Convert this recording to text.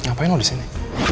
ngapain lo disini